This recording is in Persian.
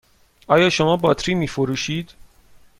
آیا شما باطری می فروشید؟